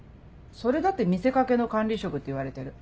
それだって見せ掛けの管理職っていわれてる。